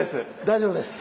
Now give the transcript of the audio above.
大丈夫です。